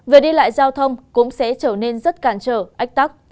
về đi lại giao thông cũng sẽ trở nên rất cản trở ách tắc